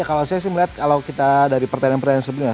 kalau saya melihat dari pertanyaan pertanyaan sebelumnya